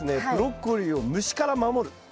ブロッコリーを虫から守る。